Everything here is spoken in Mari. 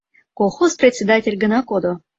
Колхоз председатель гына кодо.